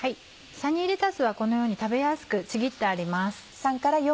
サニーレタスはこのように食べやすくちぎってあります。